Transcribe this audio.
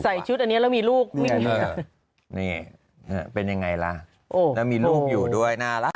ใส่ชุดอันเนี้ยเรามีลูกเป็นยังไงล่ะเนี่ยมีลูกอยู่ด้วยน่ารัก